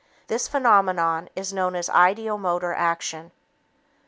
This phenomenon is known as an ideomotor action.